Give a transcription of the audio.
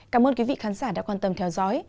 cảm ơn quý vị khán giả đã quan tâm theo dõi